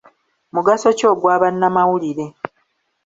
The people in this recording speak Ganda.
Mugaso ki ogwa bannamawulire?